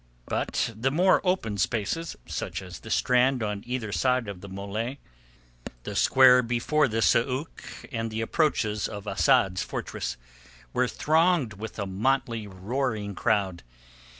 But the more open spaces, such as the strand on either side of the mole, the square before the sôk, and the approaches of Asad's fortress, were thronged with a motley roaring crowd.